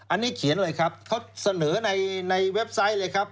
อันนี้เขียนเลยครับเขาเสนอในเว็บไซต์เลยครับ